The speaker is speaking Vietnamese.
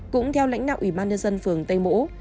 cũng theo lãnh đạo ủy ban nhân dân phường tây mỗ